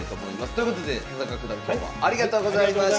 ということで田中九段今日はありがとうございました。